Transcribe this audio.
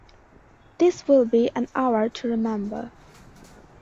This will be an hour to remember.